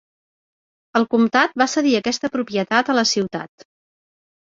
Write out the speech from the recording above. El comtat va cedir aquesta propietat a la ciutat.